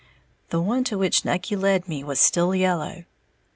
The one to which Nucky led me was still yellow.